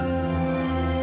aku mau pergi